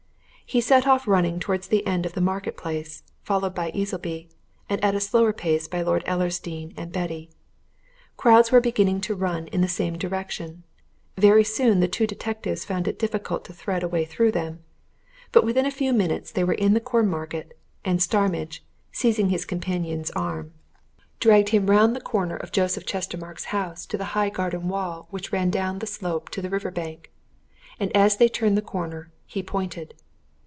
He set off running towards the end of the Market Place, followed by Easleby, and at a slower pace by Lord Ellersdeane and Betty. Crowds were beginning to run in the same direction: very soon the two detectives found it difficult to thread a way through them. But within a few minutes they were in the Cornmarket, and Starmidge, seizing his companion's arm, dragged him round the corner of Joseph Chestermarke's house to the high garden wall which ran down the slope to the river bank. And as they turned the corner, he pointed.